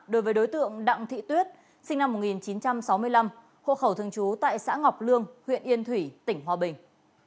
đối với đối tượng đặng thị tuyết sinh năm một nghìn chín trăm sáu mươi năm hộ khẩu thường trú tại xã ngọc lương huyện yên thủy tỉnh hòa bình